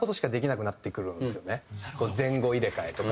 前後入れ替えとか。